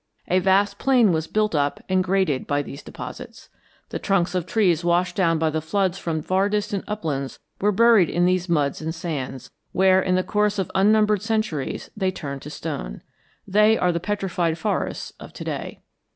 A vast plain was built up and graded by these deposits. The trunks of trees washed down by the floods from far distant uplands were buried in these muds and sands, where, in the course of unnumbered centuries, they turned to stone. They are the petrified forests of to day.